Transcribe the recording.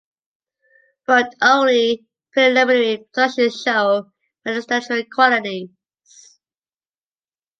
But only the preliminary productions show magisterial qualities.